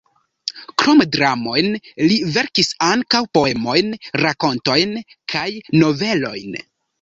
Krom dramojn li verkis ankaŭ poemojn, rakontojn kaj novelojn.